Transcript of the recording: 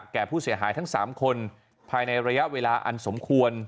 แก่ผู้เสียหายทั้ง๓คนภายในระยะเวลาอันสมควร